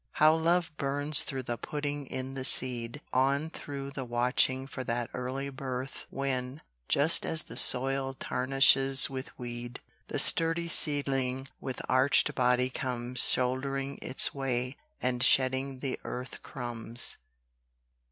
How Love burns through the Putting in the Seed On through the watching for that early birth When, just as the soil tarnishes with weed, The sturdy seedling with arched body comes Shouldering its way and shedding the earth crumbs.